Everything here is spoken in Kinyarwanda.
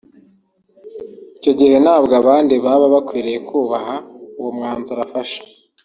icyo gihe nabwo abandi baba bakwiriye kubaha uwo mwanzuro afashe